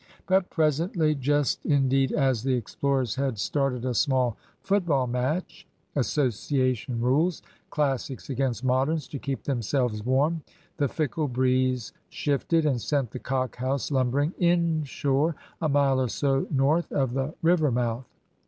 But presently just, indeed, as the explorers had started a small football match (Association rules), Classics against Moderns, to keep themselves warm, the fickle breeze shifted, and sent the "Cock House" lumbering inshore a mile or so north of the river mouth.